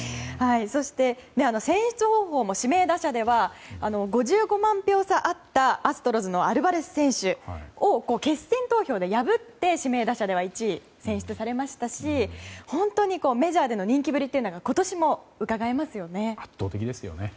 そして選出方法も指名打者では５５万票差あったアストロズのアルバレス選手を決選投票で破って指名打者では１位に選出されましたし本当にメジャーでの人気ぶりが今年もうかがえますね。